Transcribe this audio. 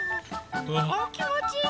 わきもちいい！